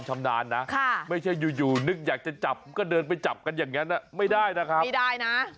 จำนาณนะไม่ใช่อยู่อยู่อยากจะจับก็เดินไว้จับไว้เรื่องอย่างนั้นไม่ได้นะครับไม่ได้นะ